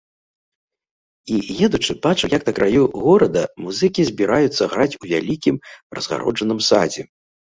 І, едучы, бачыў, як на краю горада музыкі збіраюцца граць у вялікім разгароджаным садзе.